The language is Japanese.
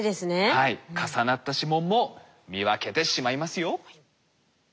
はい重なった指紋も見分けてしまいますよ。